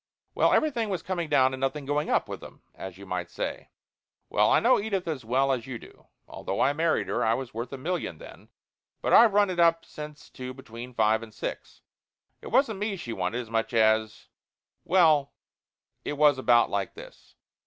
Well, everything was coming down and nothing going up with 'em, as you might say. Well, I know Edith as well as you do although I married her. I was worth a million then, but I've run it up since to between five and six. It wasn't me she wanted as much as well, it was about like this.